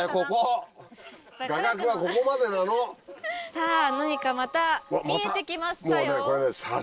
さぁ何かまた見えて来ましたよ。